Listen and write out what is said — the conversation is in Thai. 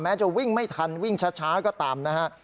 จะวิ่งไม่ทันวิ่งช้าก็ตามนะฮะ